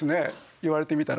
言われてみたら。